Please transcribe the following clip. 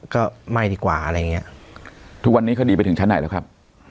ก็ไม่ดีกว่าอะไรอย่างเงี้ยทุกวันนี้คดีไปถึงชั้นไหนแล้วครับ